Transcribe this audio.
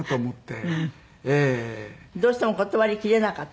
どうしても断り切れなかった？